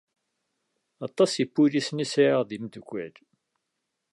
Aṭas ipulisen i sεiɣ d imdukal.